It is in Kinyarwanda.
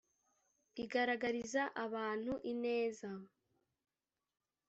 Igaragariza abantu ineza